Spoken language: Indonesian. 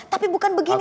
tapi bukan begini cak